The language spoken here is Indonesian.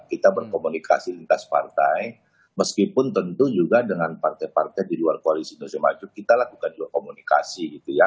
kita berkomunikasi lintas partai meskipun tentu juga dengan partai partai di luar koalisi indonesia maju kita lakukan juga komunikasi gitu ya